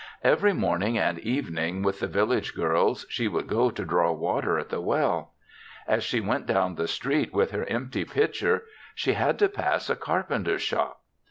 Every morning and evening with the village girls she would go to draw water at the well. As she went down the street with her empty pitcher, she had to pass a carpenter's shop.